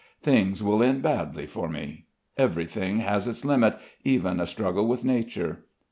Things will end badly for me. Everything has its limit, even a struggle with nature.